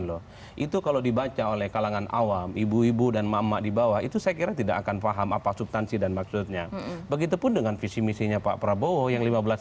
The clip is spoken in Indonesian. oh iya dong mbak takut besok